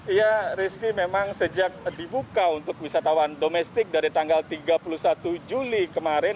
iya rizky memang sejak dibuka untuk wisatawan domestik dari tanggal tiga puluh satu juli kemarin